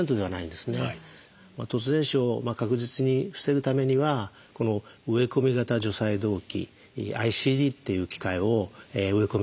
突然死を確実に防ぐためには植込み型除細動器ＩＣＤっていう機械を植え込む必要があります。